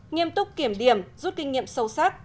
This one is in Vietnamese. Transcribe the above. nghiêm túc kiểm điểm rút kinh nghiệm sâu sắc